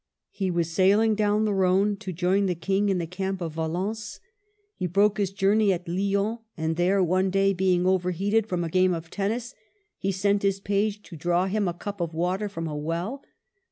He was sailing 'down the Rhone to join the King in the camp at Valence. He broke CHANGES. 163 his journey at Lyons, and there, one day, being overheated from a game of tennis, he sent his page to draw him a cup of water from a well.